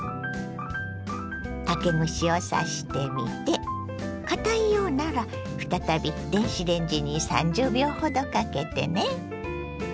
竹串を刺してみてかたいようなら再び電子レンジに３０秒ほどかけてね。